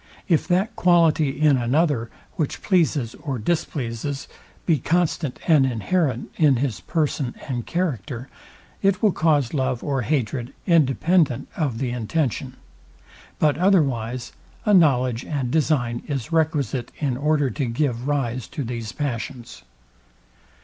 If that quality in another, which pleases or displeases, be constant and inherent in his person and character, it will cause love or hatred independent of the intention: But otherwise a knowledge and design is requisite, in order to give rise to these passions.